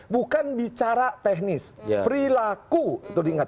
bukan bicara teknis perilaku itu diingat